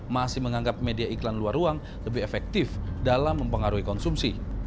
masih menganggap media iklan luar ruang lebih efektif dalam mempengaruhi konsumsi